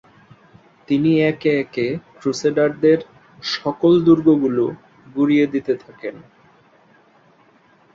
তিনি একে একে ক্রুসেডারদের সকল দুর্গগুলো গুঁড়িয়ে দিতে থাকেন।